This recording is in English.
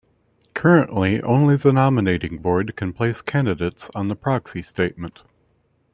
Currently, only the nominating board can place candidates on the proxy statement.